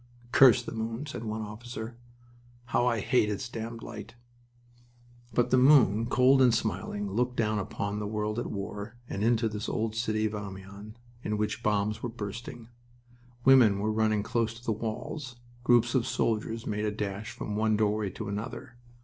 "Curse the moon!" said one officer. "How I hate its damned light" But the moon, cold and smiling, looked down upon the world at war and into this old city of Amiens, in which bombs were bursting. Women were running close to the walls. Groups of soldiers made a dash from one doorway to another.